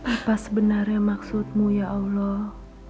apa sebenarnya maksudmu ya allah